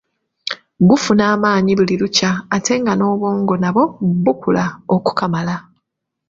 Gufuna amaanyi buli lukya ate nga n'obwongo nabwo bukula okukamala.